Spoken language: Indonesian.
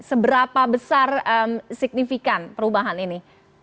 seberapa besar signifikan perubahan ini